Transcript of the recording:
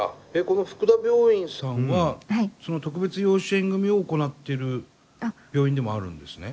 この福田病院さんはその特別養子縁組を行ってる病院でもあるんですね？